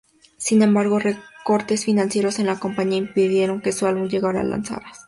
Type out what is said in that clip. Sin embargo, recortes financieros en la compañía impidieron que el álbum llegara a lanzarse.